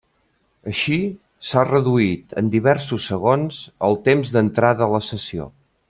Així, s'ha reduït en diversos segons el temps d'entrada a la sessió.